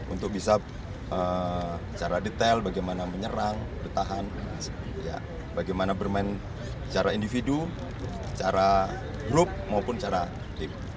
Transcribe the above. untuk bisa secara detail bagaimana menyerang bertahan bagaimana bermain secara individu secara grup maupun secara tim